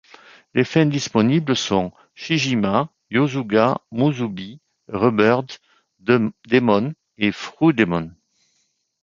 Les fins disponibles sont Shijima, Yosuga, Musubi, Rebirth, Demon et True Demon.